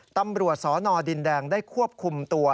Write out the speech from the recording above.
ตำรวจสนดินแดงได้ควบคุมตัว